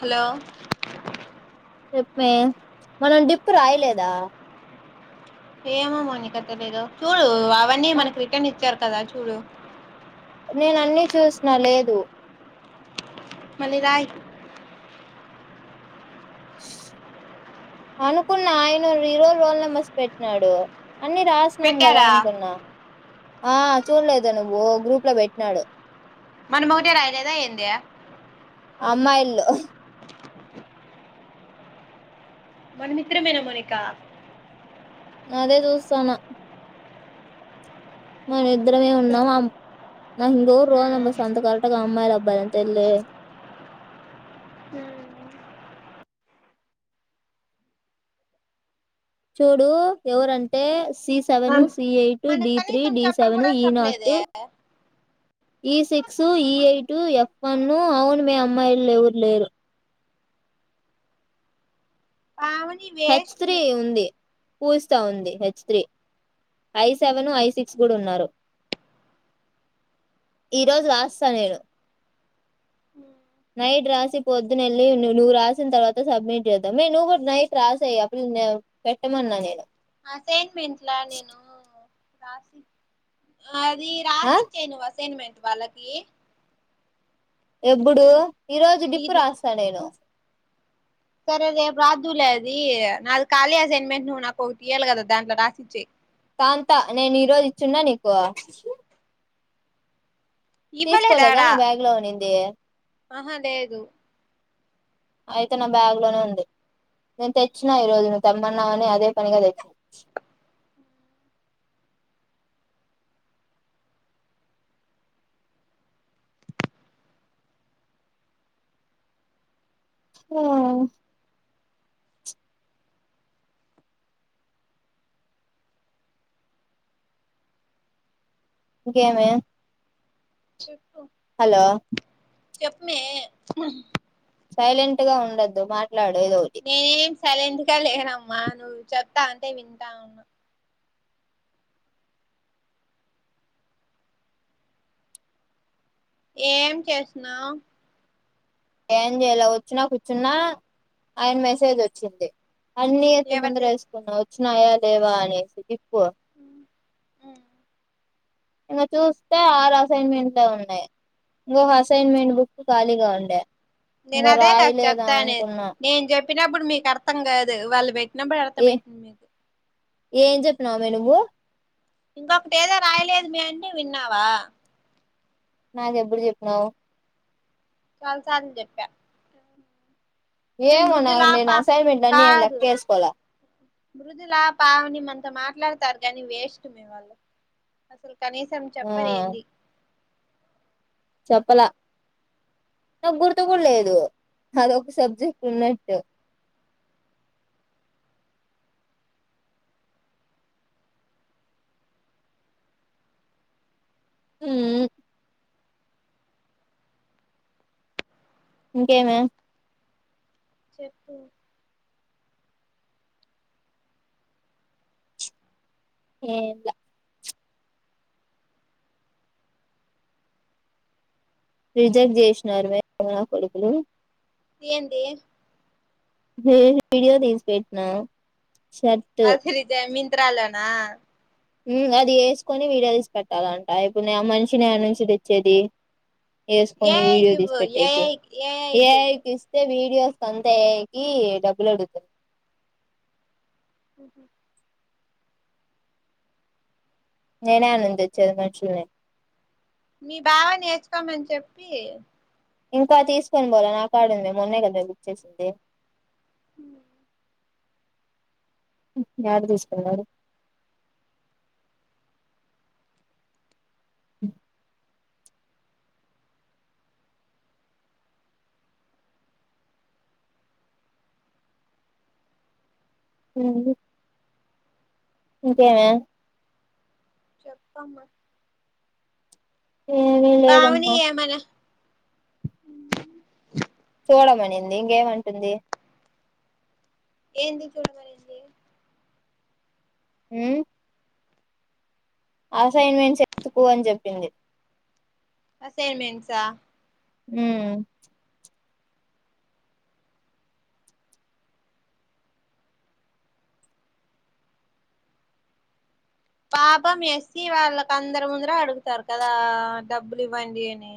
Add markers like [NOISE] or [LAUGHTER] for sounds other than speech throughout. Hello చెప్ మే మనం డిప్పు రాయలేదా ఏమో మౌనిక తెలీదు చూడు అవన్నీ నా మనకు రిటర్న్ ఇచ్చారు కద చూడు నేను అన్నీ చూసిన లేద్ దు మళ్ళీ రాయ్ అనుకున్న ఆయన ఈరోజు రోల్ నెంబర్స్ పెట్టినాడు అన్ని రాసినాం కదా పెట్టారా అనుకున్నా ఆ చూడలేదా నువ్వు గ్రూప్ లో పెట్నాడు మనం ఒకటే రాయలేదా ఏంది అమ్మాయిల్లో మనం ఇద్దరమేనా మోనిక అదే చూస్తాన్నా మనిద్ ద్దరమే ఉన్నాం ఆం నాకు ఇంకెవరు రోల్ నంబర్స్ అంత కరెక్ట్ గొ అమ్మాయిల బనంతల్లే హ్మ్ చూడూ ఎవరంటే సి సెవెను సి ఎయిట్ మనకు డి త్రీ కనీసం డి చెప్పను సెవెను కూడా ఈ నాట్ చెప్పలేదే E six E eight F one అవును మే అమ్మాయిల్లో ఎవరు లేరు పావని హెచ్ వేస్ట్ తీ మే ఉంది పూజిత ఉంది H three I seven, I six గుడు ఉన్నారు, ఈరోజు రాస్సా నేను నైడ్ రాజ్ తి పొద్దునెళ్ళి ను నువ్వు రాసిన తర్వాత సబ్మిట్ చేద్దం, మే నువ్వ్ గు నైట్ రాసెయ్ అప్ప్నినేవ్ పెట్టమన్నా నేను అ సే వింట్లా నేను రాశి అది ఆ రాసిచ్చేయ్ నువ్ అసేన్ మె వాల్లకి ఎబ్బుడు ఈ రోజు డిప్పు నీది రాస్సా నేను సరే రేపు రాద్దులే అది నాది ఖాళీ అసైన్మెంట్ నువ్ నాకు ఒకటి ఇయాలి కదా దాంట్లో రాసిచ్చి కాంత నేను ఈరోజు ఇచ్చున్నా నీకు తీసుకోలేదా ఇవ్వలేదాడా నా బ్యాగ్ లో ఉని ఏ ఆహా లేదు అయితే నా బ్యాగ్ లోనే ఉంది, నేను తెచ్చినా ఈరోజు నువ్వు తెమ్మన్నావ్ అని అదే పనిగా తె చ్చ్ ఆ ఇంకేమే చెప్పు హలో చెప్ప్ మే సైలెంట్ గా ఉండద్దు మా ట్లాడు ఏదో ఒటి నేనేం సైలెంట్ గ లేనమ్మా నువ్వు చెప్తా అంటే వింటా ఉన్నా ఏం చేస్న్నావ్. ఏం జేలా వచ్చున కూర్చున్నా, ఆయ్న్ మెసేజ్ వచ్చింది. అన్ని ఎత్తి ఎవరిది ముందర ఎస్సుకున్న వ స్నయా దేవా అనేసి ఇప్పు ఇంగ చూస్తే ఆరు అసైన్ మెంట్లె ఉన్నాయ్, ఇంకొక అసైన్మెంట్ బుక్ ఖాళీగా ఉండే ఇంగ నేను అదే క రాయలేదా చెప్పానే, అనుకున్నా నేను జెప్పినప్పుడు మీకర్థం కాదు వాళ్ళు పెట్నప్పుడు అర్థం ఏ అయితుంది మీకు ఏం జెప్ప్నావ్ మె నువ్వు ఇంకొకటి ఏదో రాయలేదు మె అంటే విన్నావా నాకెప్పుడు చెప్ప్నవ్ చాలా సార్లు చెప్పా మేము ఏమో నా మృదులా నేను పా అసైన్ మెంట్ల్ అన్ని కాదు లెక్క ఎసుకోల మృదులా, పావని మన్తో మాట్లాడతారు గానీ వేస్ట్ మే వాళ్ళు, అసల్ కనీసం ఆ చెప్పర్ ఏంది చెప్పలా, నా గుర్తు కూడా లేదు అదొక సబ్జెక్ట్ ఉన్నట్టు ఉ ఇంకేమే చెప్పు ఏం లే రిజెక్ట్ చేసినారు మే [INAUDIBLE] నా కొడుకులు ఏంది వీడియో తీసి పెట్నా అసల్ ఇది మిన్ త్రాలోనా మ్మ్ అది యేసుకొని వీడియో తీసి పెట్టాలంట ఇప్పుడు నే ఆ మనిషిని యాడ నుంచి తెచ్చేది ఎసుకొని వీడియో ఏఐకి ఇవ్వు ఏఐ తీసిపెట్టేకి ఏఐకి ఇవ్వు వ్యువర్స్ అంతే ఏ ఐ కి డబ్బులు అడుగుతుంది ఉహు నేన్ యాడ నుంచి తెచ్చేది మనుషుల్ని మీ బావన్ ఏసుకోమని చెప్పి ఇంకా తీసుకొని పోల నాకాడుంది మొన్నే కదా బుక్ చేసింది ఉ యాడ తీసుకున్నారూ అ ఇంకేమి ఆ చెప్పమ్మా ఏమీ పావని లేదమ్మా ఏమైనా చూడమనింది ఇంకేమంటుంది ఏంది చూడమనింది మ్మ్ ఆఫ్ అసైన్మెంట్స్ ఎతుకు అని చెప్పింది అసైన్మెంట్సా మ్మ్మ్ పాపం యసీ వాళ్ళకందర ముందర అడుగుతారు కదా డబ్బులు ఇవ్వండి అని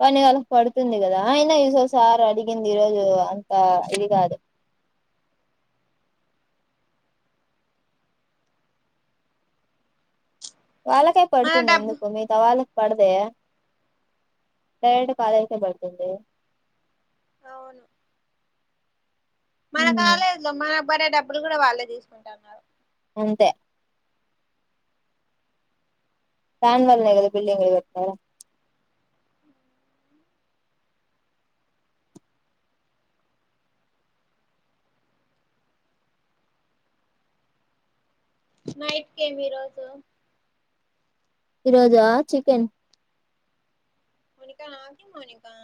కాని వాళకి పడుతుంది కదా అయినా ఈసో సార్ అడిగింది ఈరోజు అంత ఇది కాదు వాళ్ళకే మన పడుతుంది డబ్బు ఎందుకు మిగతా వాళ్ళ పడదే ప్రైవేట్ కాలేజ్కే పడుతుంది అవును మన కాలేజ్ లో మన మరే డబ్బులు కూడా వాళ్ళే తీసుకుంటన్నారు అంతే వాన్ వలే కదా బిల్డింగ్ మీద పెట్నారు నైట్ కెమిరాస్ ఈ రోజా చికెన్ మోనికా ఆగి మోనికా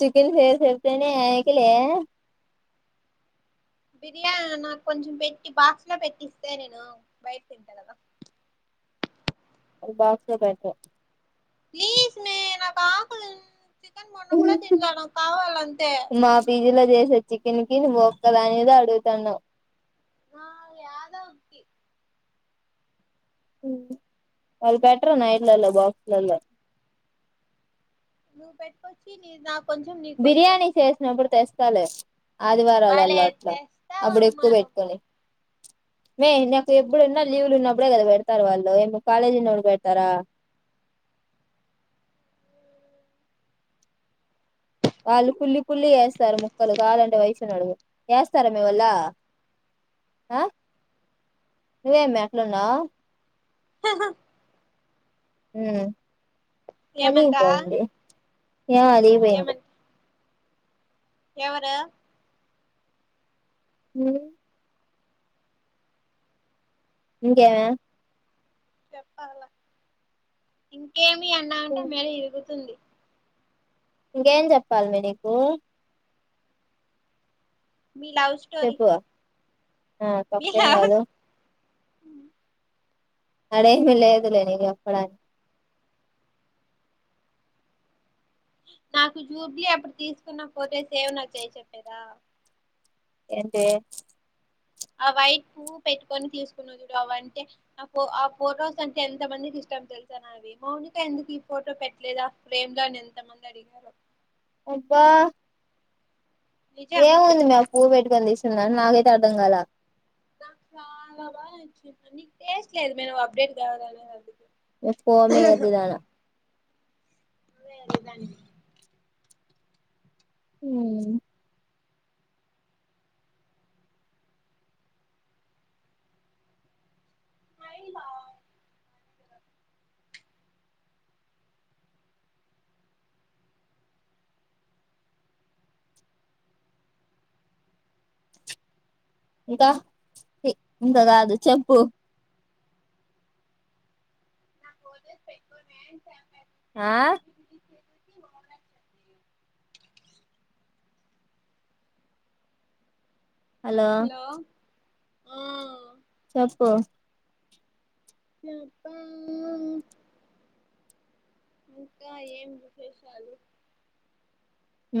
చికెన్ ఫేస్ అయితేనే ఎయకిలే బిర్యాన నాకు కొంచెం పెట్టి బాక్స్ లో పెట్టిస్తే నేను బయట తింటా కదా బాక్స లో పెట ప్లీస్ మే నాక్ ఆకలీ చికెన్ మొన్న కూడ తినలే నా కావాలంతే మా పీజీలో చేసే చికెన్ కి నువ్వు ఒక్క ధానివి అడుగుతన్నావ్ నా యాదో ఒకటి హమ్ వాల్ బెట్రూ నైట్లలో బాక్స్ లల్లా నువ్వు పట్టుకొచ్చి నీది నాక్ బిర్యానీ చేసినప్పుడు తెస్ తలే భలే ఆదివారాలల్లో అట్ల అబుడు తెస్తావమ్మా ఎక్కువ నువ్వు పెట్టుకొని మే నాకు ఎబుడన్నా లీవులు ఉన్నప్పుడే కదా పెడతారు వాళ్ళు ఏమో కాలేజ్ ఉన్నప్పుడు పెడతారా వాళ్ళు కుళ్లి కుళ్లి ఎస్తరు ముక్కలు కావాలంటే వైషుని అడుగు యస్తర మే వాళ్ళు ఆ నువ్వేమీ అట్లున్నావు ఆహా హమ్ ఏమంట [UNINTELLIGIBLE] [UNINTELLIGIBLE] ఏమో అలిగి పోయింది ఏమంట ఎవరు హమ్ ఇంకేమి చెప్పాల ఇంకేం టి అన్నవ్ అంటే మెడ ఇరుగుతుంది ఇంకేం చెప్పాలి మే నీకు మీ లవ్ స్టోరీ చెప్పు ఆ మీ తొక్కెం లవ్ కాదు అడేమి లేదులే నిక్ చేప్పడానికి నాకు జూబ్లీ ఆప్పుడు తీసుకున్న ఫోటేస్ ఏవనా చేయ చెప్పేదా ఎంది ఆ వైట్ పువ్వు పెట్టుకొని తీసుకున్న చూడు అవంటే ఆ ఆ ఫొటోస్ అంటే ఎంత మందికి ఇష్టం తెలుస నావి మౌనిక ఎందుకు ఈ ఫోటో పెట్టలేదు ఫ్రేమ్ లో అని ఎంత మంది అడిగినారో యబ్బా నిజం ఏముంది మా పువ్ పెట్టుకుని థీస్ న్నా నాకైతే అర్థం గాల నాకు చాలా బాగా నచ్చింది నీకు టేస్ట్ లేదు మే. నువ్వు అప్డేట్ కాలేదుగ అందుకి పో మే ఎర్రి దాన అదే అదేదానిది హమ్ హయివా ఇంకా ఇంకా కాదు చెప్పు [UNINTELLIGIBLE] [UNINTELLIGIBLE] ఆ హలో ఆ చెప్పు చెప్పా ఇంకా ఏం విశేషాలు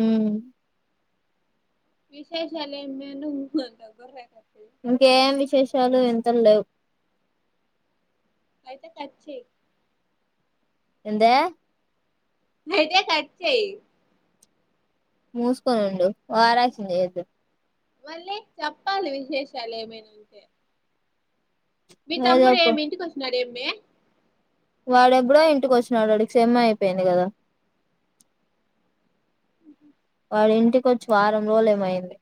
ఉమ్ విశేషాలు ఏం మే ఉమ్ అంట గొర్రె ఆ కట్ల ఇంకేం విశేషాలు వింతలు లేవు అయితే కట్ చేయి ఏందీ అయితే కట్ చేయి మూసుకొని ఉండు ఓవర్ యాక్షన్ చేయద్దు మళ్ళీ చెప్పాలి విశేషాలు ఏమైనా అంటే మీ నువ్వే తమ్ముడు చెప్పు ఏమి ఇంటికి వస్తున్నాడు ఏం మీ వాడెప్పుడో ఇంటికి వచ్చినాడు వాడికి సెమ్ అయిపోయింది కదా వాడి ఇంటికి వచ్చి వారం రోజులు ఏమో అయింది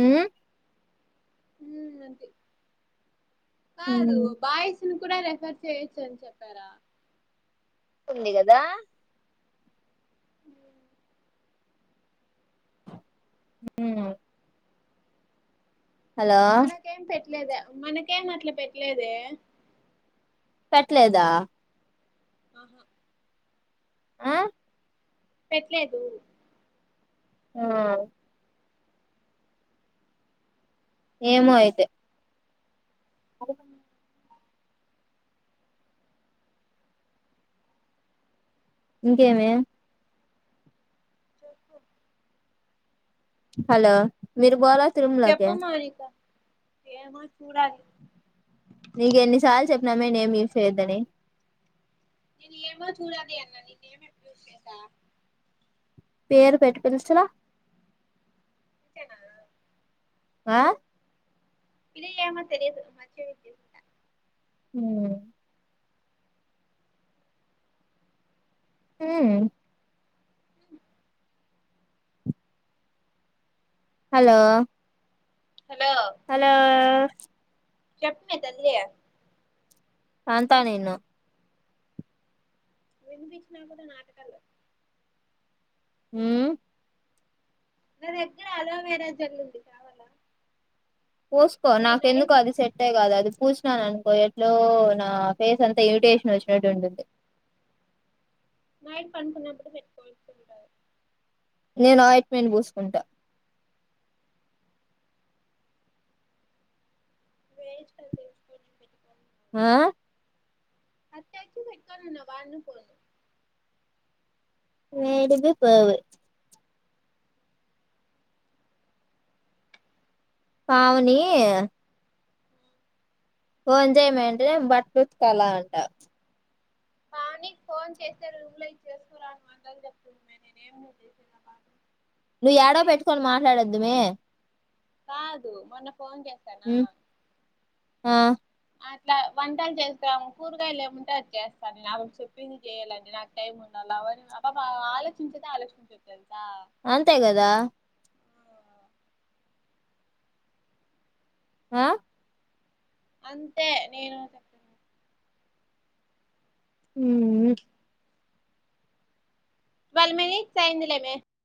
ఉమ్ ఉమ్ అంటి కాదు బాయ్స్ ను కూడా రెఫర్ చేయొచ్చ అని చెప్పారా ఉంది కదా ఉమ్ ఉమ్ మనకేం పెట్ లేదా మనకేం అట్లా పెట్టలేదే పెట్టలేదా ఆహా ఆ పెట్టలేదు ఆ ఏమో అయితే అద ఇంకేమి చెప్పు హలో మీరు పోలే చెప్పు మాలిక ఏమో చూడాలి నీకు ఎన్నిసార్లు చెప్పినామే నేమ్ యూస్ చేయద్దని ఏమో చూడాలి అన్న నేమ్ ఎప్పుడూ యూస్ చేశా పేరు పెట్టి పిలచలా ఇంతేనా ఆ [UNINTELLIGIBLE] ఏమో తెలిదు మంచిగ [UNINTELLIGIBLE] ఉమ్ ఉమ్ హలో హలో అలో చెప్మే తల్లియై తంతా నిన్ను వినీపించిన కూడా నాటకలు ఉహ్ నా దగ్గర అలోవేరా జల్ ఉంది కావాలా. పోసుకో అది నాకేందుకు నైట్ అది సెట్టే కాదది. పూసిననుకోయట్లో నా ఫేస్ అంతా ఇరిటేషన్ వచ్చినట్టు ఉంటుంది. నైట్ పండ్ కున్నాప్పుడు పేట్ కోటుంటారు నేను ఆయిట్మెట్ పూసుకుంటా. వేస్ట్ అవి పెట్టుకోడం ఆహ్ అత్ తెచ్చి పెట్టుకోవాలాన్న వన్ స్పూన్ ఏడుది పోవు పావని ఫోన్ జెయమంటే నేన్ బట్టలుతుకాలా అంటా. పావని క్ ఫోన్ చేస్తారు. రూంలో ఇది చేసుకురాను అంద చెప్తున్మే నేనేం చేసేద్ ఆ పాపన్ నువ్వు ఎడో పెట్టుకొని మాట్లాడొద్దుమే. కాదు మొన్న ఫోన్ చేసనా మ్మ్ ఆ అట్లా వంటలు చేస్తాము. కూరగాయ ఏముంటే అది చేస్తాను నేను అవిడు చెప్పింది చేయ్యాలండి. నాకు టైం ఉండాల అని పాప ఆలోచించేద ఆలోచించద్ తేలుసా అంతే కదా ఆహ్ అంతే నేను చెప్తునను ఉహ్ హు టువల్ మినిట్స్ అయిందిలేమే.